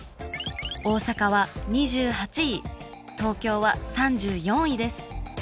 大阪は２８位東京は３４位です。